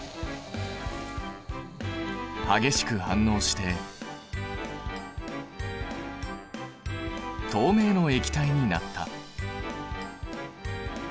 激しく反応して透明の液体になった。